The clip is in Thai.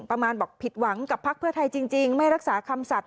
ประมาณบอกผิดหวังกับพักเพื่อไทยจริงไม่รักษาคำสัตว